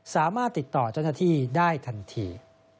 สามารถติดต่อเจ้าหน้าที่ได้ทันที